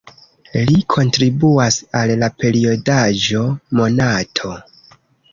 Li kontribuas al la periodaĵo "Monato".